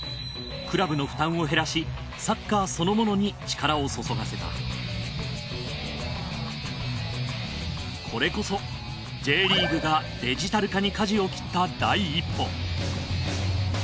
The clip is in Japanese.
クラブの負担を減らしサッカーそのものに力を注がせたこれこそＪリーグがデジタル化にかじを切った第一歩。